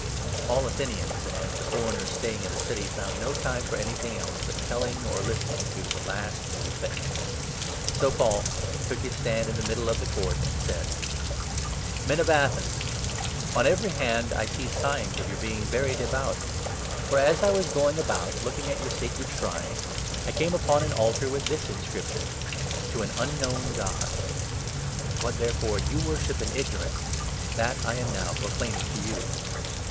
(All Athenians and the foreigners staying in the city found no 21 time for anything else but telling, or listening to, the last new thing.) So Paul took his stand in the middle of the Court, 22 and said —" Men of Athens, on every hand I see signs of your being very devout. For as I was going about, looking at your 23 sacred shrines, I came upon an altar with this inscription — 'To AN UNKNOWN GOD.' What, therefore, you worship in ignorance, that I am now proclaiming to you.